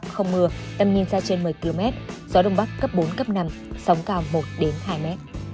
không mưa tầm nhìn xa trên một mươi km gió đông bắc cấp bốn năm sông cao một hai m